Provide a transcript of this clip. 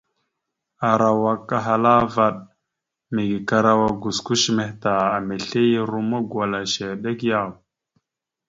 Arawak ahala vvaɗ : mege karawa gosko shəmeh ta, amesle ya romma gwala shew ɗek yaw ?